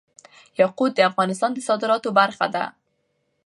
یاقوت د افغانستان د صادراتو برخه ده.